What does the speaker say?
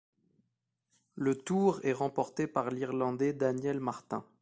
Le Tour est remporté par l'Irlandais Daniel Martin.